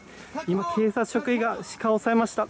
今、警察職員が鹿を捉えました。